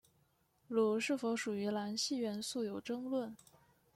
镥是否属于镧系元素有争论。